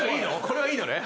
これはいいのね？